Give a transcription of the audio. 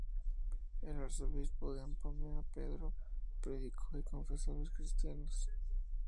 El arzobispo de Apamea, Pedro, predicó y confesó a los cristianos.